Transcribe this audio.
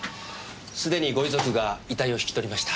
すでにご遺族が遺体を引き取りました。